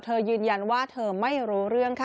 ยืนยันว่าเธอไม่รู้เรื่องค่ะ